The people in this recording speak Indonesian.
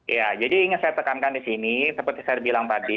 ya jadi ingin saya tekankan di sini seperti saya bilang tadi